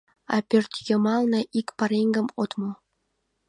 А пӧртйымалне ик пареҥгымат от му.